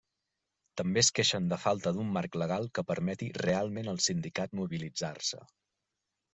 També es queixen de falta d'un marc legal que permeti realment al sindicat mobilitzar-se.